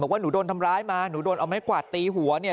ว่าหนูโดนทำร้ายมาหนูโดนเอาไม้กวาดตีหัวเนี่ย